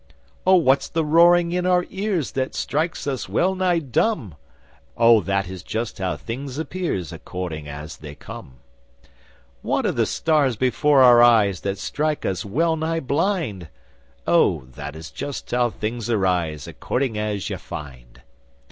'Oh, what's the roaring in our ears That strikes us well nigh dumb?' 'Oh, that is just how things appears According as they come.' 'What are the stars before our eyes That strike us well nigh blind?' 'Oh, that is just how things arise According as you find.